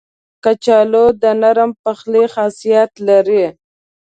کچالو د نرم پخلي خاصیت لري